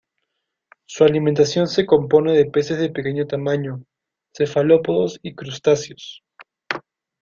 Su alimentación se compone de peces de pequeño tamaño, cefalópodos y crustáceos.